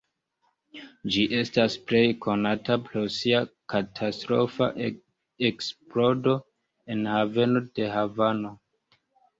Ĝi estas plej konata pro sia katastrofa eksplodo en haveno de Havano.